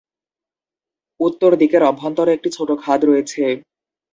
উত্তর দিকের অভ্যন্তরে একটি ছোট খাদ রয়েছে।